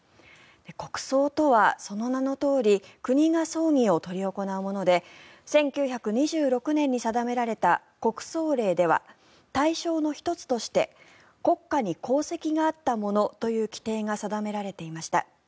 国葬とは、その名のとおり国が葬儀を執り行うもので１９２６年に定められた国葬令では対象の１つとして国家に功績があった者という規定が定められていました。